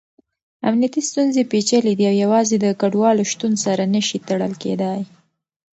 امنیتي ستونزې پېچلې دي او يوازې د کډوالو شتون سره نه شي تړل کېدای.